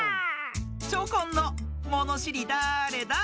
チョコンの「ものしりだれだ？」